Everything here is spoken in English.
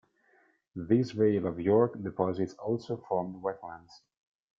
These Vale of York deposits also formed wetlands.